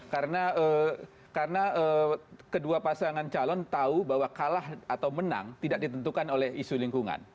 karena kedua pasangan calon tahu bahwa kalah atau menang tidak ditentukan oleh isu lingkungan